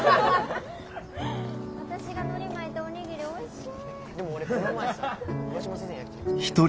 私がのり巻いたお握りおいしい。